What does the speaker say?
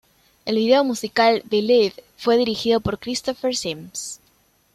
El video musical "Believe" fue dirigido por Christopher Sims.